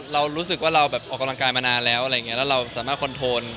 เรารู้สึกว่าเราแบบออกกำลังกายมานานแล้วแบบ้าวเราก็คอนโทรล